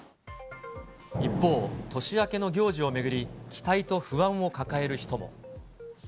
一方、年明けの行事を巡り、期待と不安を抱える人も。